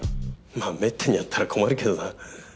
まぁめったにあったら困るけどな。